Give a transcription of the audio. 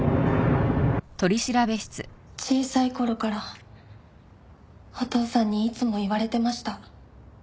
小さい頃からお父さんにいつも言われてました。